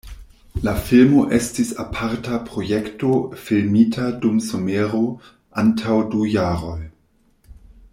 La filmo estis aparta projekto filmita dum somero antaŭ du jaroj.